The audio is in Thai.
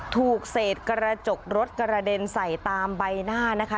ถูกเศษกระจกรถกระเด็นใส่ตามใบหน้านะคะ